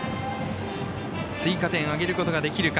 追加点を挙げることができるか。